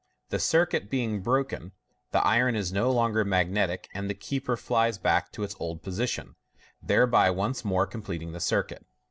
The circuit being broken, the iron is no longer magnetic, and the keeper flies back to its old position, thereby once more completing the circuit.